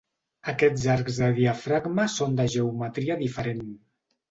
Aquests arcs de diafragma són de geometria diferent.